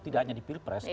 tidak hanya di pilpres